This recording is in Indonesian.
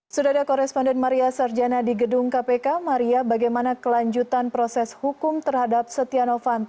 sudah ada koresponden maria sarjana di gedung kpk maria bagaimana kelanjutan proses hukum terhadap setia novanto